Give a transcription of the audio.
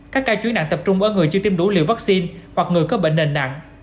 các ca chuyến nặng tập trung ở người chưa tiêm đủ liều vaccine hoặc người có bệnh nền nặng